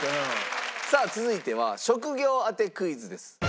さあ続いては職業当てクイズです。